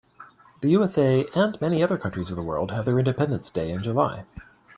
The USA and many other countries of the world have their independence day in July.